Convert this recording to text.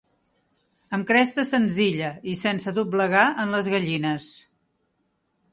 Amb cresta senzilla i sense doblegar en les gallines.